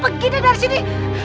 pergi deh dari sini